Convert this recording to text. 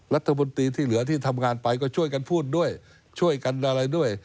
รัฐมนตรีที่เหลือที่ทำงานไปก็ช่วยกันพูดด้วยช่วยกันอะไรด้วย